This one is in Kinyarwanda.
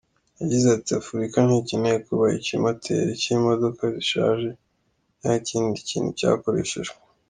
Yagize ati “Afurika ntikeneye kuba ikimoteri cy’imodoka zishaje cyangwa ikindi kintu cyakoreshejwe.